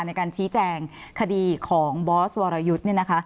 ในการชี้แจงคดีของบอสวรรยุทธ์